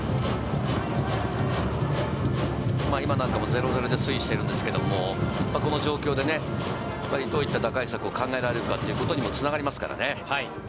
今なんかも０対０で推移しているんですけど、この状況で、どういった打開策を考えられるかというのにもつながります。